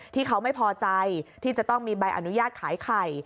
ที่เขาไม่พอใจที่จะต้องมีใบอนุญาตขายไข่